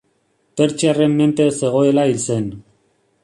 Pertsiarren menpe zegoela hil zen.